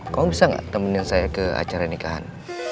kau bisa gak temenin saya ke acara nikahan